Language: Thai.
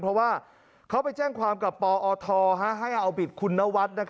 เพราะว่าเขาไปแจ้งความกับปอทให้เอาผิดคุณนวัด